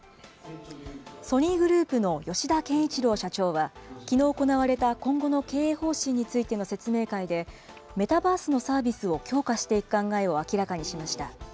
ソニーグループの吉田憲一郎社長は、きのう行われた今後の経営方針についての説明会で、メタバースのサービスを強化していく考えを明らかにしました。